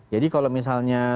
jadi kalau misalnya